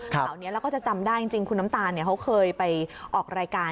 ข่าวนี้เราก็จะจำได้จริงคุณน้ำตาลเขาเคยไปออกรายการ